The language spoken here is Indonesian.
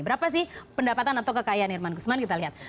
berapa sih pendapatan atau kekayaan irman gusman kita lihat